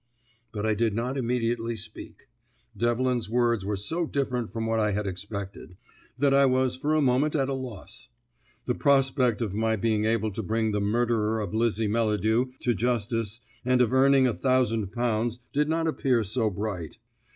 But I did not immediately speak. Devlin's words were so different from what I had expected that I was for a moment at a loss. The prospect of my being able to bring the murderer of Lizzie Melladew to justice and of earning a thousand pounds did not appear so bright.